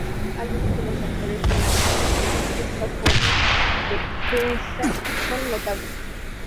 Algunos de los actos milagrosos de esta forma de Krisná son notables.